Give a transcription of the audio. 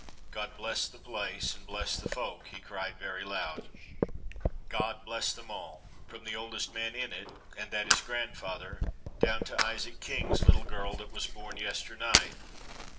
"God bless the place and bless the folk," he cried very loud; "God bless them all, from the oldest man in it, and that is grandfather, down to Isaac King's little girl that was born yester night!